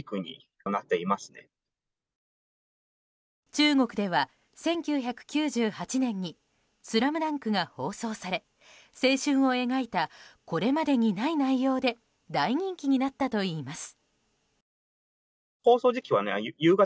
中国では、１９９８年に「ＳＬＡＭＤＵＮＫ」が放送され青春を描いたこれまでにない内容で大人気になったといいます。